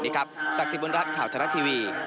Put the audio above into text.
ศักดิ์สิทธบุญรัฐข่าวทรัฐทีวี